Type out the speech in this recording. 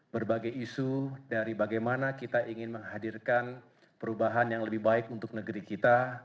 berbagai isu dari bagaimana kita ingin menghadirkan perubahan yang lebih baik untuk negeri kita